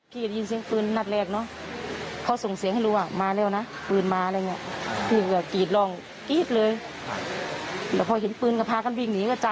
คิดได้ยังไงเสียใจแล้วหลายกันพูดอะไรไม่ออก